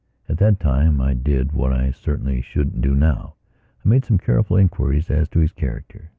At that time I did, what I certainly shouldn't do nowI made some careful inquiries as to his character.